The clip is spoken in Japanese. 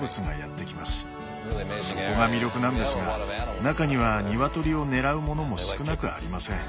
そこが魅力なんですが中にはニワトリを狙うものも少なくありません。